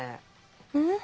うん？